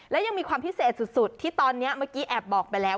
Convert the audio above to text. และยังมีความพิเศษสุดที่ตอนนี้เมื่อกี้แอบบอกไปแล้ว